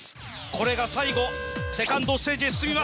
これが最後セカンドステージへ進みます。